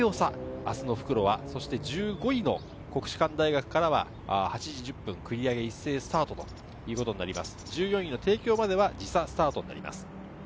１０位の創価と１１位の東洋で１分２７秒差、復路は１５位の国士舘大学からは８時１０分、繰り上げ一斉スタートということになります。